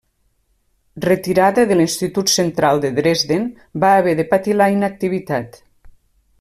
Retirada de l'Institut Central de Dresden, va haver de patir la inactivitat.